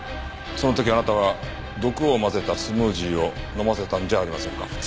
その時あなたは毒を混ぜたスムージーを飲ませたんじゃありませんか？